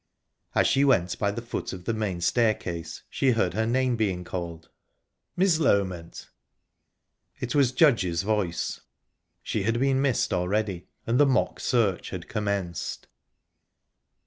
As she went by the foot of the main staircase, she heard her name being called..."Miss Loment! Miss Loment!"...It was Judge's voice. She had been missed already, and the mock search had commenced.